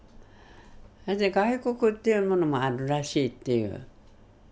それで外国っていうものもあるらしいっていう。